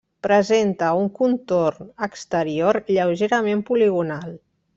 Presenta un contorn exterior lleugerament poligonal.